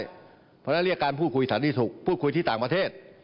เพราะฉะนั้นเรียกการพูดคุยสันติสุขพูดคุยที่ต่างประเทศ